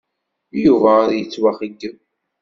Yuba ad yettwaxeyyeb.